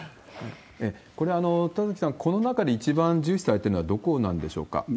これ、田崎さん、この中で一番重視されてるのはどこなんでしょうか？